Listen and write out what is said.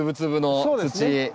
そうですね。